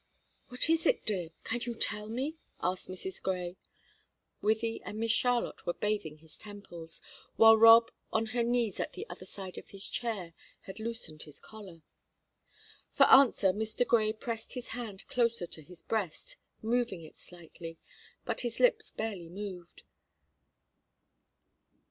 "What is it, dear? Can you tell me?" asked Mrs. Grey. Wythie and Miss Charlotte were bathing his temples, while Rob, on her knees at the other side of his chair, had loosened his collar. For answer Mr. Grey pressed his hand closer to his breast, moving it slightly, but his lips barely moved.